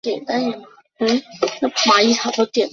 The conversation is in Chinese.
请从司徒以班徙次。